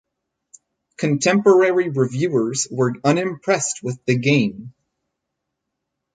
Contemporary reviewers were unimpressed with the game.